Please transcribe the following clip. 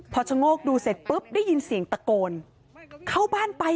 พี่บุหรี่พี่บุหรี่พี่บุหรี่พี่บุหรี่